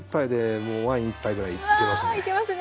わあいけますね